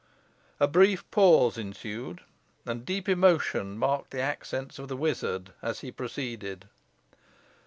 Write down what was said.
A brief pause ensued, and deep emotion marked the accents of the wizard as he proceeded.